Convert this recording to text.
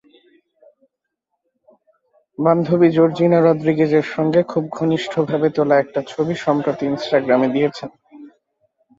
বান্ধবী জর্জিনা রদ্রিগেজের সঙ্গে খুব ঘনিষ্ঠভাবে তোলা একটি ছবি সম্প্রতি ইনস্টাগ্রামে দিয়েছেন।